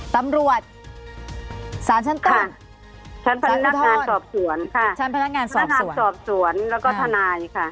ตำรวจสารชั้นต้นชั้นผู้โทษชั้นพนักงานสอบสวนชั้นพนักงานสอบสวนชั้นพนักงานสอบสวนแล้วก็ธนายค่ะ